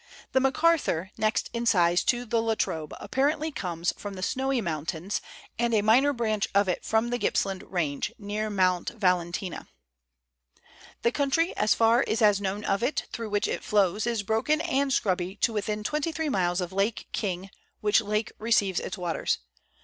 The Macarthur, next in size to the La Trobe, apparently comes from the Snowy Mountains, and a minor branch of it from the Gippsland Range, near Mount Valentia. The country, as far as is known of it, through which it flows, is broken and scrubby to within twenty three miles of Lake King, which lake receives its waters.